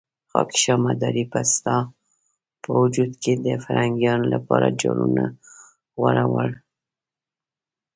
خاکيشاه مداري به ستا په وجود کې د فرهنګيانو لپاره جالونه غوړول.